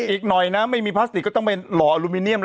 อีกหน่อยนะไม่มีพลาสติกก็ต้องไปหล่ออลูมิเนียมแล้ว